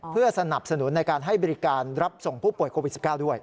เพื่อสนับสนุนในการให้บริการรับส่งผู้ป่วยโควิด๑๙ด้วย